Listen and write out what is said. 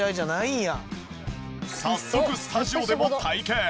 早速スタジオでも体験！